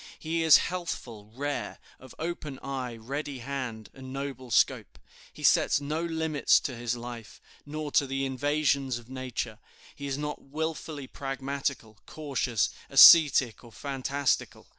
He is healthful, rare, of open eye, ready hand, and noble scope. He sets no limits to his life, nor to the invasions of nature; he is not willfully pragmatical, cautious, ascetic, or fantastical.